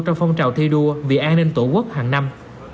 trong phong trào thi đua vì an ninh tổ quốc hàng năm